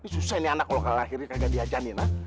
susah nih anak lo kalau lahirin kagak diajaniin ha